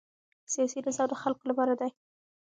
سیاسي نظام د خلکو لپاره دی